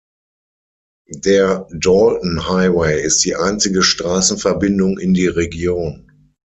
Der Dalton Highway ist die einzige Straßenverbindung in die Region.